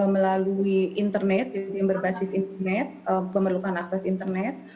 melalui internet yang berbasis internet pemerlukan akses internet